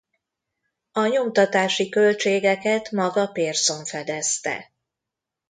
A nyomtatási költségeket maga Pearson fedezte.